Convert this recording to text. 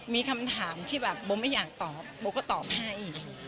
มีคำถามที่ผมไม่อยากตอบผมก็ตอบให้อีก